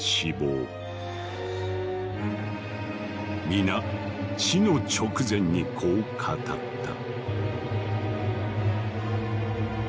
皆死の直前にこう語った。